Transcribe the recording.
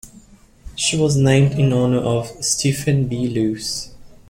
She was named in honor of Stephen B. Luce.